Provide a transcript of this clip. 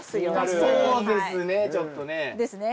そうですねちょっとね。ですね。